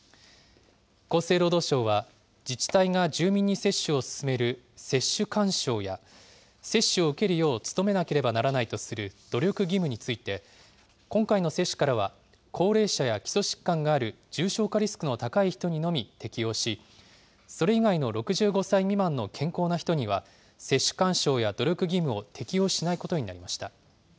厚生労働省は自治体が住民に接種を勧める接種勧奨や、接種を受けるよう努めなければならないとする努力義務について、今回の接種からは、高齢者や基礎疾患がある重症化リスクの高い人にのみ適用し、それ以外の６５歳未満の健康な人には接種勧奨や努力義務を適用しないことになりました。